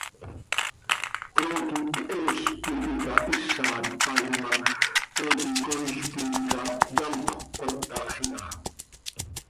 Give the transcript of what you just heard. Trooqui cheel tintica hiza tpaain ma, trooqui cooil tintica yamtxö cöcatax iha.